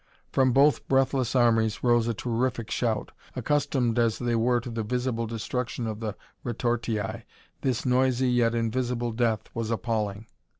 From both breathless armies rose a terrific shout. Accustomed as they were to the visible destruction of the retortii, this noisy yet invisible death was appalling.